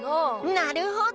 なるほど！